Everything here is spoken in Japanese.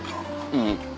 うん。